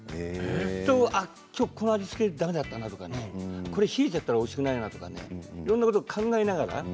そうすると今日、この味付けだめだったなとか冷えちゃったらこれはおいしくないとかいろんなことを考えながら。